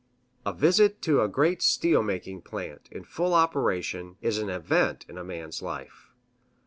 A visit to a great steel making plant, in full operation, is an event in a man's life.